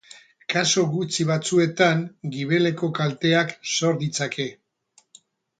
Kasu gutxi batzuetan gibeleko kalteak sor ditzake.